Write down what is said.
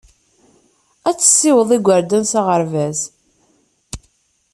Ad tessiweḍ igerdan s aɣerbaz.